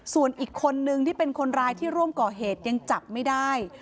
ส่วนอีกคนนึงที่เป็นคนร้ายที่ร่วมก่อเหตุยังจับไม่ได้